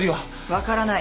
分からない。